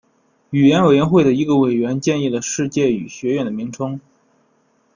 语言委员会的一个委员建议了世界语学院的名称。